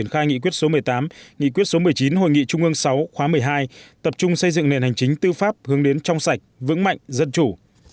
sáu khóa một mươi hai tập trung xây dựng nền hành chính tư pháp hướng đến trong sạch vững mạnh dân chủ